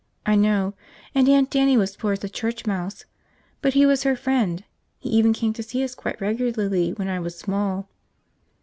I know. And Aunt Dannie was poor as a church mouse. But he was her friend. He even came to see us quite regularly when I was small."